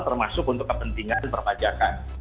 termasuk untuk kepentingan perpajakan